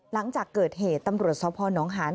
หลังจากเกิดเหตุตำรวจสพนหาน